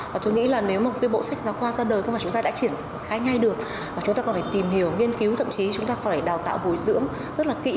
và tôi nghĩ là nếu một cái bộ sách giáo khoa ra đời không phải chúng ta đã triển khai ngay được mà chúng ta còn phải tìm hiểu nghiên cứu thậm chí chúng ta phải đào tạo bồi dưỡng rất là kỹ